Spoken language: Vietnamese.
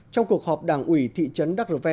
trong cuộc họp đảng ủy thị trấn đắc rờ ve